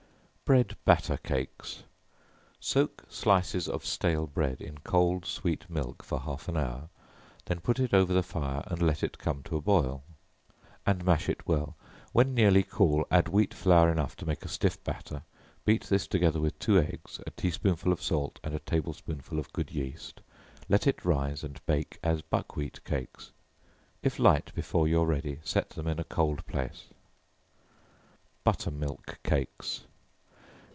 Bread Batter Cakes. Soak slices of stale bread in cold sweet milk for half an hour, then put it over the fire, and let it come to a boil; and mash it well, when nearly cool, add wheat flour enough to make a stiff batter, beat this together with two eggs, a tea spoonful of salt, and a table spoonful of good yeast, let it rise and bake as buckwheat cakes, if light before you are ready, set them in a cold place. Butter milk Cakes.